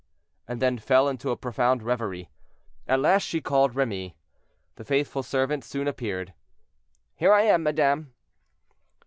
and then fell into a profound reverie. At last she called Remy. The faithful servant soon appeared. "Here I am, madame."